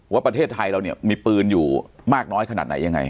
ว่าประเทศไทยเราเนี่ยมีปืนอยู่มากน้อยขนาดไหนยังไง